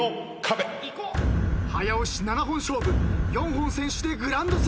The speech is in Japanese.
早押し７本勝負４本先取でグランドスラム。